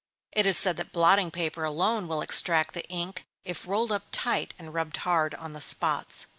It is said that blotting paper alone will extract the ink, if rolled up tight, and rubbed hard on the spots.